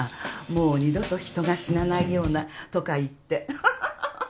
もう二度と人が死なないようなとか言ってはははっ。